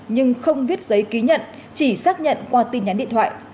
nhưng không viết giấy ký nhận chỉ xác nhận qua tin nhắn điện thoại